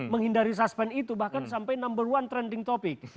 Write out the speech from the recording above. menghindari suspend itu bahkan sampai number one trending topic